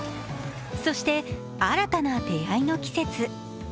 そして新たな出会いの季節。